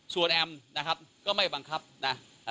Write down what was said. ส่วนแอมนะครับก็ไม่บังคับนะ